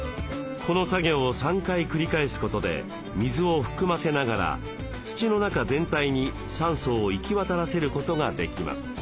この作業を３回繰り返すことで水を含ませながら土の中全体に酸素を行き渡らせることができます。